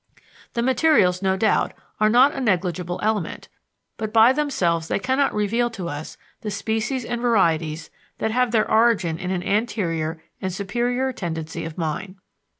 The materials, no doubt, are not a negligible element, but by themselves they cannot reveal to us the species and varieties that have their origin in an anterior and superior tendency of mind.